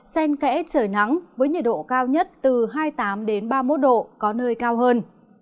xen kẽ trời nắng với nhiệt độ cao nhất từ hai mươi tám ba mươi một độ có nơi cao hơn